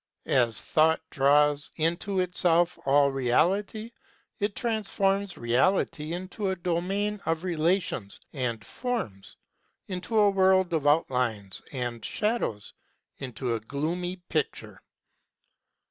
As Thought draws into itself all Reality, i1 transforms Reality into a domain of relatioi SPECULATIVE PHILOSOPHY 58 and forms into a world of outlines and shadows into a gloomy picture.